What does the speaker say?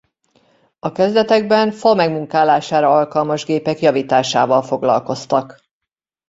A kezdetekben fa megmunkálására alkalmas gépek javításával foglalkoztak.